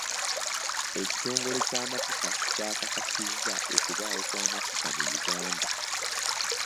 Ekitongole ky'amafuta kyakakasizza okubaawo kw'amafuta mu Uganda.